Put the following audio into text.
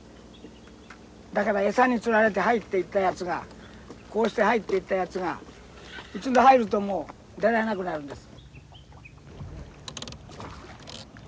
だから餌に釣られて入っていったやつがこうして入っていったやつが一度入るともう出られなくなるんです。